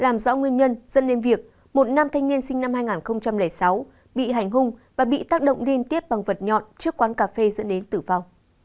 một nam thanh niên sinh năm hai nghìn sáu bị hành hung và bị tác động liên tiếp bằng vật nhọn trước quán cà phê dẫn đến tử vong